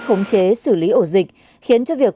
khống chế xử lý ổ dịch khiến cho việc